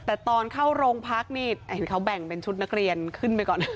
แต่ตอนเข้าโรงพักนี่เห็นเขาแบ่งเป็นชุดนักเรียนขึ้นไปก่อนเลย